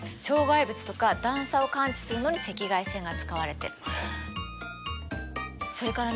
障害物とか段差を感知するのに赤外線が使われているの。